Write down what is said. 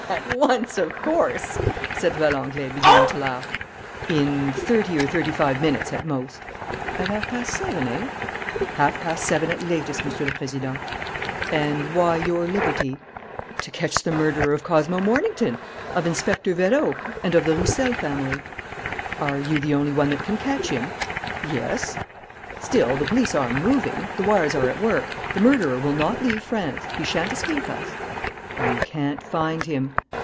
"At once, of course?" said Valenglay, beginning to laugh. "In thirty or thirty five minutes at most." "At half past seven, eh?" "Half past seven at latest, Monsieur le Président." "And why your liberty?" "To catch the murderer of Cosmo Mornington, of Inspector Vérot, and of the Roussel family." "Are you the only one that can catch him?" "Yes." "Still, the police are moving. The wires are at work. The murderer will not leave France. He shan't escape us." "You can't find him."